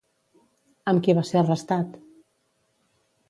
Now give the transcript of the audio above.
Amb qui va ser arrestat?